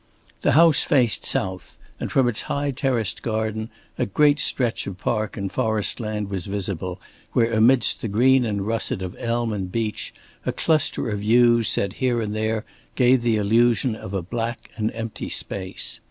The house faced the south, and from its high terraced garden, a great stretch of park and forest land was visible, where amidst the green and russet of elm and beach, a cluster of yews set here and there gave the illusion of a black and empty space.